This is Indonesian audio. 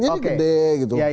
jadi gede gitu